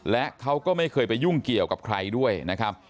และเขาก็ไม่เคยไปยุ่งเกี่ยวกับใครด้วยนะครับ